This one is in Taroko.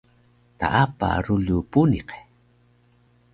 Taapa rulu puniq